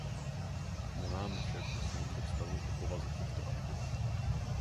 Nemáme však jasnou představu o povaze těchto aktiv.